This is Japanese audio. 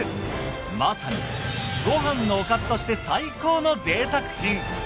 まさにご飯のおかずとして最高のぜいたく品。